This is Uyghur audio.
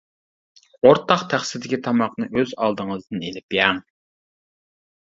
ئورتاق تەخسىدىكى تاماقنى ئۆز ئالدىڭىزدىن ئېلىپ يەڭ.